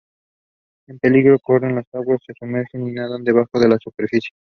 En peligro corren al agua, se sumergen y nadan debajo la superficie.